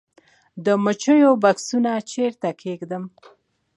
د مچیو بکسونه چیرته کیږدم؟